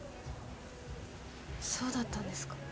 そうだったんですか。